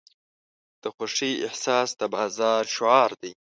د خوښۍ احساس د بازار شعار دی.